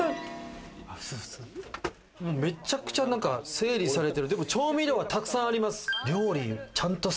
めちゃくちゃ整理されてる、でも調味料が沢山あります。